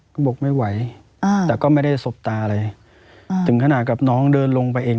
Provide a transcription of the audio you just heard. ก็บอกไม่ไหวอ่าแต่ก็ไม่ได้สบตาอะไรอ่าถึงขนาดกับน้องเดินลงไปเอง